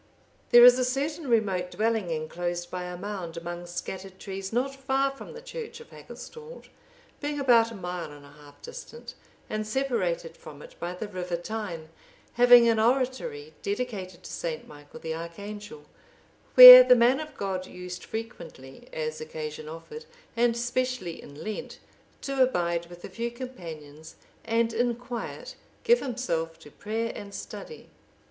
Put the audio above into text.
There is a certain remote dwelling(775) enclosed by a mound, among scattered trees, not far from the church of Hagustald, being about a mile and a half distant and separated from it by the river Tyne, having an oratory(776) dedicated to St. Michael the Archangel, where the man of God used frequently, as occasion offered, and specially in Lent, to abide with a few companions and in quiet give himself to prayer and study.